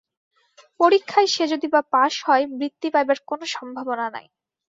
পরীক্ষায় সে যদি বা পাশ হয় বৃত্তি পাইবার কোনো সম্ভাবনা নাই।